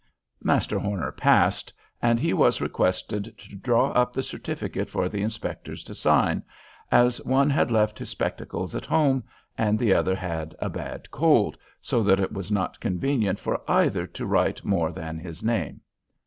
Master Horner passed, and he was requested to draw up the certificate for the inspectors to sign, as one had left his spectacles at home, and the other had a bad cold, so that it was not convenient for either to write more than his name.